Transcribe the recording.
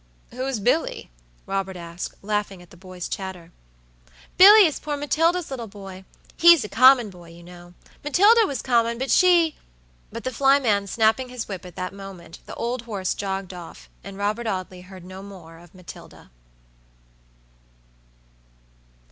"Who's Billy?" Robert asked, laughing at the boy's chatter. "Billy is poor Matilda's little boy. He's a common boy, you know. Matilda was common, but she" But the flyman snapping his whip at this moment, the old horse jogged off, and Robert Audley heard no more of Matilda.